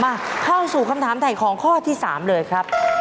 เข้าสู่คำถามถ่ายของข้อที่๓เลยครับ